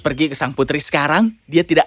pergi ke sang putri sekarang dia tidak